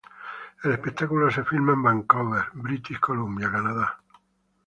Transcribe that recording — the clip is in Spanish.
El espectáculo se filma en Vancouver, British Columbia, Canadá.